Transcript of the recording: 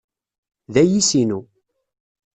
D ayis-inu.